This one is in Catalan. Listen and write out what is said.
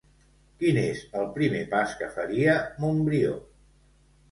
Quin és el primer pas que faria, Montbrió?